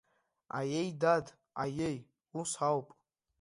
Аиеи, дад, аиеи, ус ауп!